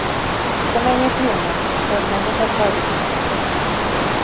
Для мяне дзіўна, што ад мяне пазбавіліся.